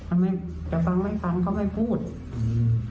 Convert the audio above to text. ไม่แต่ฟังไม่ฟังเขาไม่พูดอืม